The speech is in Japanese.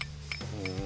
うん。